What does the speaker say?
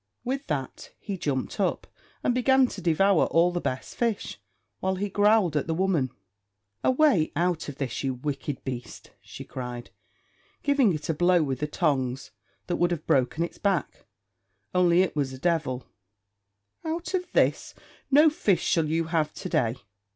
With that he jumped up, and began to devour all the best fish, while he growled at the woman. "Away, out of this, you wicked beast," she cried, giving it a blow with the tongs that would have broken its back, only it was a devil; "out of this; no fish shall you have to day."